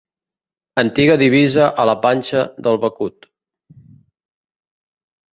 Antiga divisa a la panxa del becut.